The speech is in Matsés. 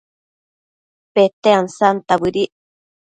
Pete ansanta bëdic